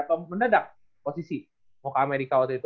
atau mendadak posisi muka amerika waktu itu